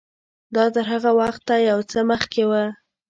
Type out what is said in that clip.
دا تر هغه وخته یو څه مخکې و.